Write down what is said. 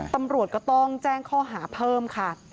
ตำรวจก็ต้องแจ้งข้อหาเพิ่มค่ะ